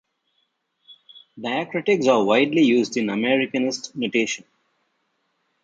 Diacritics are widely used in Americanist notation.